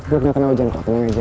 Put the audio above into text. gue gak kenal jangan kok tenang aja